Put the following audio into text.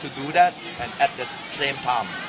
คุณคิดเรื่องนี้ได้ไหม